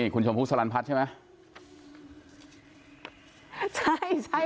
คุณสมภูสรรันด์พัฒน์ใช่มั้ย